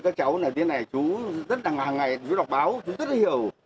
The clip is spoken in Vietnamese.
các cháu này chú rất là ngàng ngày chú đọc báo chú rất là hiểu